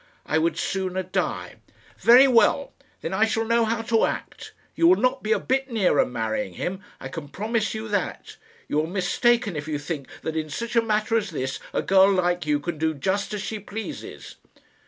I would sooner die." "Very well. Then I shall know how to act. You will not be a bit nearer marrying him; I can promise you that. You are mistaken if you think that in such a matter as this a girl like you can do just as she pleases."